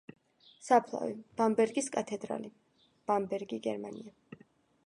საფლავი: ბამბერგის კათედრალი, ბამბერგი, გერმანია.